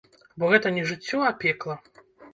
Бо гэта не жыццё, а пекла.